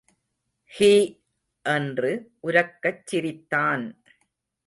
He!... என்று உரக்கச் சிரித்தான்.